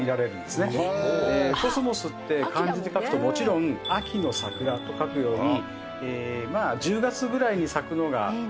コスモスって漢字で書くともちろん。と書くように。